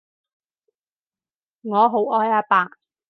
我好愛阿爸